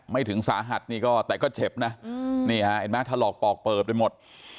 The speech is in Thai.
ไม่ถึงสาหัสนี่ก็แต่ก็เฉ็บนะอืมนี่ฮะไอ้แม่ทะลอกปอกเปิบเลยหมด